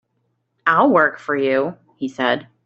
"I'll work for you," he said.